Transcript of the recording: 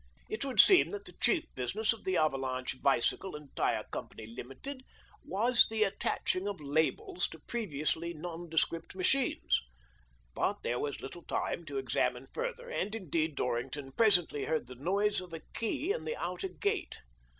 It would seem that the chief business of the " Avalanche Bicycle and Tyre Company, Limited/' was the "AVALANCHE BICYCLE AND TYRE CO., LTD." ISl attaching of labels to previously nondescript machines. But there was little time to examine further, and indeed Dorrington presently heard the noise of a key in the outer gate.